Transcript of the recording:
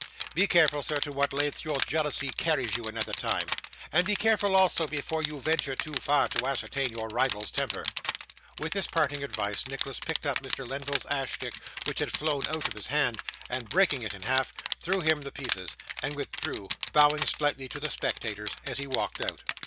Be careful, sir, to what lengths your jealousy carries you another time; and be careful, also, before you venture too far, to ascertain your rival's temper.' With this parting advice Nicholas picked up Mr. Lenville's ash stick which had flown out of his hand, and breaking it in half, threw him the pieces and withdrew, bowing slightly to the spectators as he walked out.